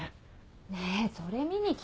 ねえそれ見に来たの？